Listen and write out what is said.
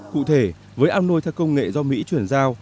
cụ thể với an nuôi theo công nghệ do mỹ chuyển giao